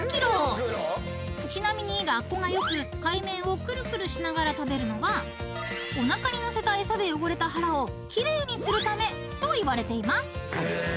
［ちなみにラッコがよく海面をくるくるしながら食べるのはおなかにのせたエサで汚れた腹を奇麗にするためといわれています］